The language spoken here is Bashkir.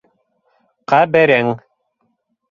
Ҡәберең...